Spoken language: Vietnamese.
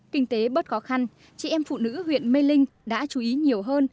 kinh tế bớt khó khăn chị em phụ nữ huyện mê linh đã chú ý nhiều hơn